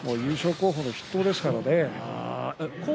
候補の筆頭ですか？